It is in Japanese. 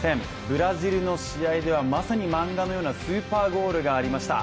ブラジルの試合ではまさに漫画のようなスーパーゴールがありました。